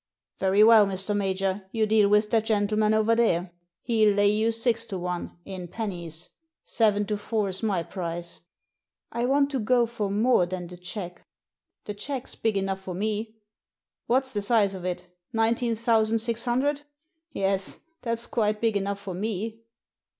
" Very well, Mr. Major, you deal with that gentle man over there. He'll lay you six to one — in pennies. Seven to four's my price." " I want to go for more than the cheque." The cheque's big enough for me. What's the size of it? Nineteen thousand six hundred — yes, that's quite big enough for me."